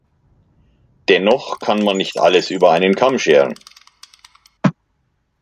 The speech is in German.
Dennoch kann man nicht alles über einen Kamm scheren.